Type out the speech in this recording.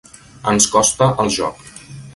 Ens costa el joc.